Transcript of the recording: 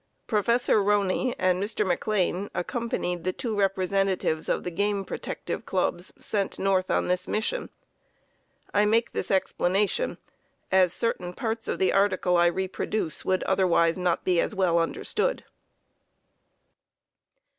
Prof. Roney and Mr. McLean accompanied the two representatives of the Game Protective Clubs sent North on this mission. I make this explanation as certain parts of the article I reproduce would otherwise not be as well understood.